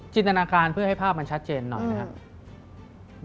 ตนาการเพื่อให้ภาพมันชัดเจนหน่อยนะครับ